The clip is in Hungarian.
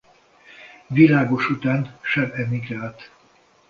Világos után sem emigrált.